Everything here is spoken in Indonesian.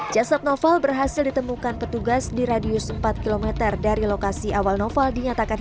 jasad novel berhasil ditemukan petugas di radius empat km dari lokasi awal noval dinyatakan